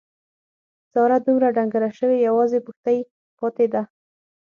ساره دومره ډنګره شوې یوازې پښتۍ پاتې ده.